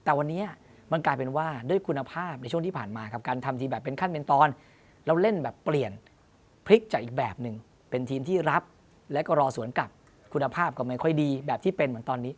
แต่วันนี้มันกลายเป็นว่าด้วยคุณภาพในช่วงที่ผ่านมาครับการทำทีมแบบเป็นขั้นเป็นตอนเราเล่นแบบเปลี่ยนพลิกจากอีกแบบหนึ่งเป็นทีมที่รับแล้วก็รอสวนกลับคุณภาพก็ไม่ค่อยดีแบบที่เป็นเหมือนตอนนี้